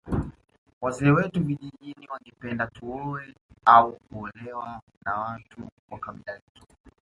Wazee wetu vijijini wangependa tuoe au kuolewa na watu wa kabila letu